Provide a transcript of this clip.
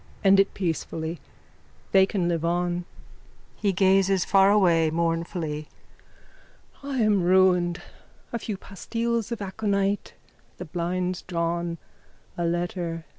End it peacefully. They can live on. (He gazes far away mournfully.) I am ruined. A few pastilles of aconite. The blinds drawn. A letter.